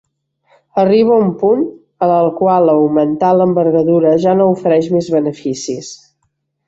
Arriba un punt en el qual augmentar l'envergadura ja no ofereix més beneficis.